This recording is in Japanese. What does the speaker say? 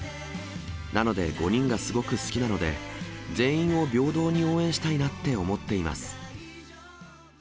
なので５人がすごく好きなので、全員を平等に応援したいなって思っています。